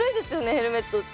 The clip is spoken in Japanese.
ヘルメットって。